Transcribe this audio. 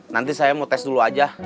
nanti saya mau tes dulu aja